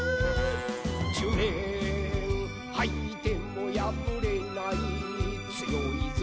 「じゅうねんはいてもやぶれないつよいぞ」